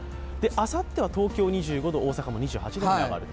あさっては東京２５度、大阪は２８度に上がる。